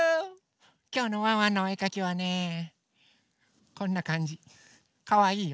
きょうのワンワンのおえかきはねこんなかんじかわいいよ。